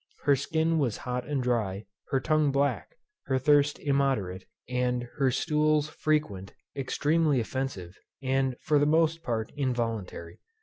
Her skin was hot and dry, her tongue black, her thirst immoderate, and her stools frequent, extremely offensive, and for the most part involuntary.